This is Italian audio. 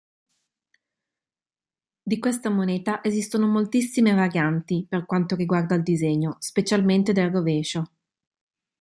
Di questa moneta esistono moltissime varianti per quanto riguarda il disegno, specialmente del rovescio.